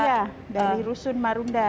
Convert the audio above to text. iya dari rusun marunda